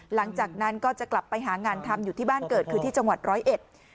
หลังจากนั้นก็จะกลับไปหางานทำอยู่ที่บ้านเกิดคือที่จังหวัดร้อยเอ็ด